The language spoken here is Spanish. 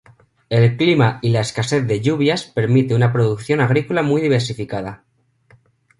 El clima y la escasez de lluvias permite una producción agrícola muy diversificada.